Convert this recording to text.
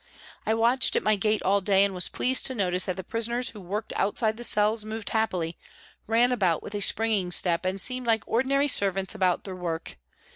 I watched at my gate all day, and was pleased to notice that the prisoners who worked outside the cells moved happily, ran about with a springing step and seemed like ordinary servants about their work.